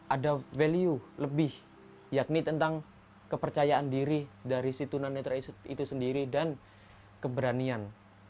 ada value lebih yakni tentang kepercayaan diri dari si tunanetra itu sendiri dan keberanian